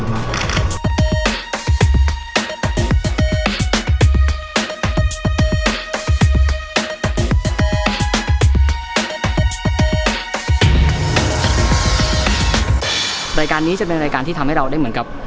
รายการนี้จะเป็นรายการที่ทำให้เราได้เหมือนกับ